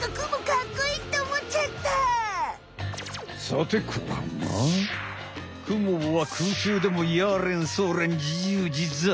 さて後半はクモは空中でもやーれんそーれん自由自在！